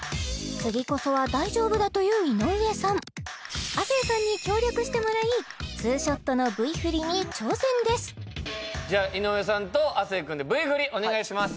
次こそは大丈夫だという井上さん亜生さんに協力してもらいツーショットのＶフリに挑戦ですじゃあ井上さんと亜生くんでＶフリお願いします